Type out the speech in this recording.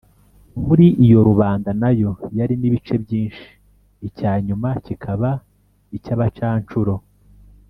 muri iyo rubanda nayo yarimo ibice byinshi icya nyuma kikaba icy' abacanshuro